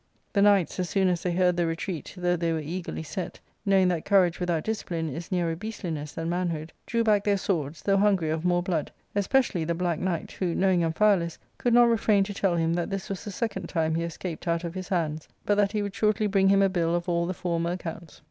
The knights, as soon as they heard the retreat, though they were eagerly set, knowing that courage without discipline is nearer beastliness than manhood, drew back their swords, though hungry of more blood, especially the black knight, who, knowing Amphialus, could not refrain to tell him that this was the second time he escaped out of his hands, but that he would shortly bring him a bill of all the former accounts.